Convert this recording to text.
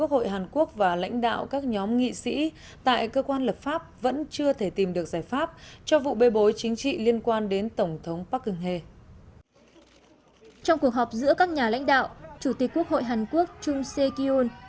trong cuộc họp giữa các nhà lãnh đạo chủ tịch quốc hội hàn quốc chung se kyun